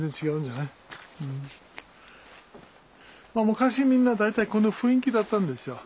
昔みんな大体こんな雰囲気だったんですよ。